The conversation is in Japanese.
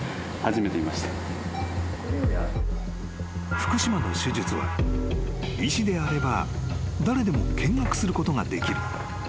［福島の手術は医師であれば誰でも見学することができる］